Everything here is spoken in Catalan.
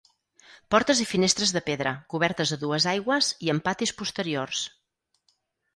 Portes i finestres de pedra, cobertes a dues aigües i amb patis posteriors.